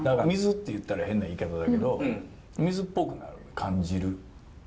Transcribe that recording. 水って言ったら変な言い方だけど水っぽくなる感じる。